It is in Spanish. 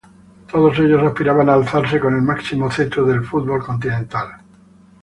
Todos ellos aspiraban a alzarse con el máximo cetro del fútbol continental.